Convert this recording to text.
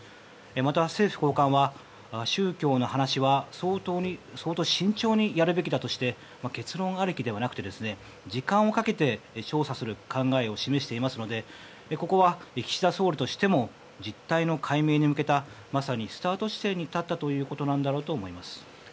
また、政府高官は宗教の話は相当、慎重にやるべきだとして結論ありきではなくて時間をかけて調査する考えを示していますのでここは、岸田総理としても実態の解明に向けたまさにスタート地点に立ったということなんだろうと思います。